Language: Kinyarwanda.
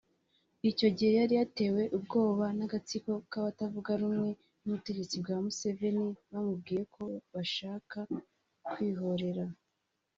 Icyo gihe yari yatewe ubwoba n’agatsiko k’abatavuga rumwe n’ubutegetsi bwa Museveni bamubwiye ko bashaka kwihorera